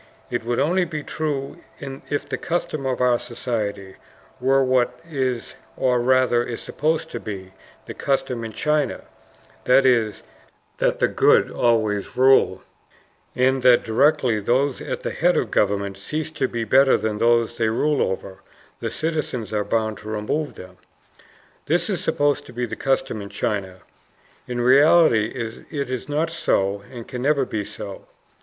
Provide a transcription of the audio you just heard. It would only be true if the custom of our society were what is, or rather is supposed to be, the custom in China; that is, that the good always rule, and that directly those at the head of government cease to be better than those they rule over, the citizens are bound to remove them. This is supposed to be the custom in China. In reality it is not so and can never be so.